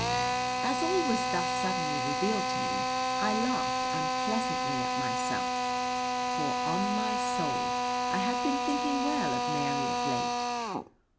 As all was thus suddenly revealed to me I laughed unpleasantly at myself, for, on my soul, I had been thinking well of Mary of late.